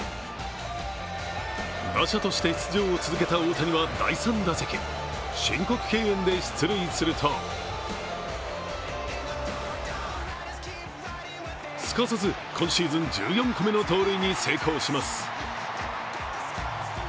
打者として出場を続けた大谷は第３打席、申告敬遠で出塁するとすかさず今シーズン１４個目の盗塁に成功します。